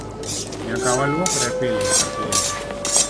Nyaka walwokre pile ka pile.